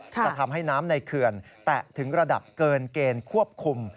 จะทำให้น้ำในเขื่อนแตะถึงระดับเกินเกณฑ์ควบคุม